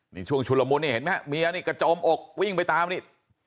นี่ช่วงชุลมุนนี่เห็นไหมฮะเมียนี่กระโจมอกวิ่งไปตามนี่